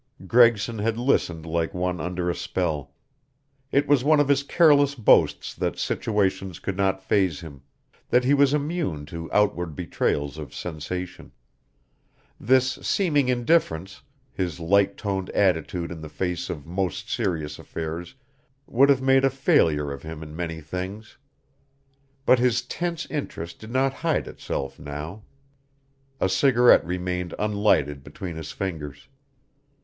Gregson had listened like one under a spell. It was one of his careless boasts that situations could not faze him, that he was immune to outward betrayals of sensation. This seeming indifference his light toned attitude in the face of most serious affairs would have made a failure of him in many things. But his tense interest did not hide itself now. A cigarette remained unlighted between his fingers.